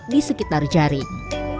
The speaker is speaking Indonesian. di sekitar jaring